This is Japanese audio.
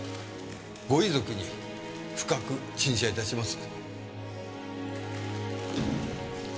ご遺族に深く陳謝致します。